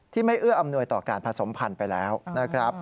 ไม่เอื้ออำนวยต่อการผสมพันธุ์ไปแล้วนะครับ